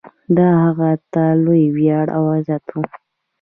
دا هغه ته لوی ویاړ او عزت و.